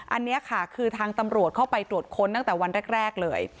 อันนี้ค่ะคือทางตำรวจเข้าไปตรวจค้นตั้งแต่วันแรกเลย